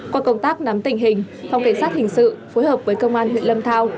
qua công tác nắm tình hình phòng cảnh sát hình sự phối hợp với công an huyện lâm thao